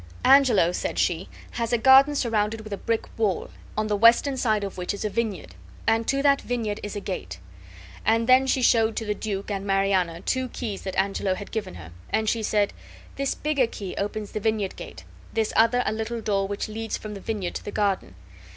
"Angelo," said she, "has a garden surrounded with a brick wall, on the western side of which is a vineyard, and to that vineyard is a gate." And then she showed to the duke and Mariana two keys that Angelo had given her; and she said: "This bigger key opens the vineyard gate; this other a little door which leads from the vineyard to the garden.